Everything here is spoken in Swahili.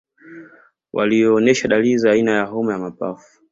Walioonesha dalili za aina ya homa ya mapafu